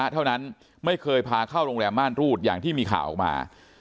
เท่านั้นไม่เคยพาเข้าโรงแรมม่านรูดอย่างที่มีข่าวออกมา